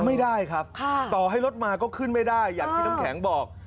ไม่ได้ครับต่อให้รถมาก็ขึ้นไม่ได้อย่างที่น้ำแข็งบอก